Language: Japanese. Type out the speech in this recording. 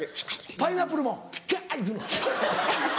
パイナップルもガ行くの？